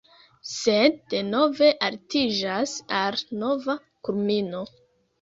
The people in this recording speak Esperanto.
Sed denove altiĝas al nova kulmino.